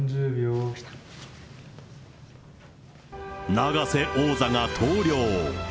永瀬王座が投了。